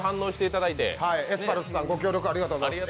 エスパルスさん、ご協力ありがとうございます。